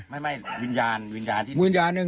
ไม่ไม่วิญญาณวิญญาณที้